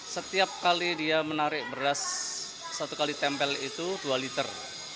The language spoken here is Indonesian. setiap kali dia menarik beras satu kali tempel itu dua liter